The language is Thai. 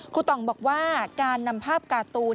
ต่องบอกว่าการนำภาพการ์ตูน